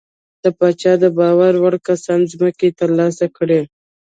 د پاچا د باور وړ کسانو ځمکې ترلاسه کړې.